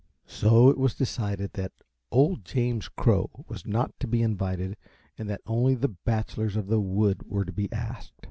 So it was decided that old James Crow was not to be invited and that only the bachelors of the wood were to be asked.